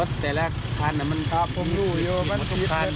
รถแต่ละพันธุ์น่ะมันถูกอยู่มันถูกขั้น